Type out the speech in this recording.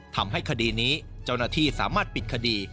ทำให้คดีนี้เจ้าหน้าที่สามารถปิดคดี